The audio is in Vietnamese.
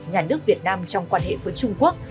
nhà nước việt nam trong quan hệ với trung quốc